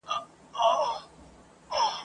له خپل ایمان له خپل وجدانه ګوښه !.